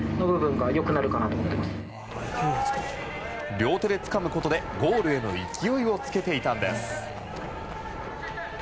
両手でつかむことでゴールへの勢いをつけていたんです。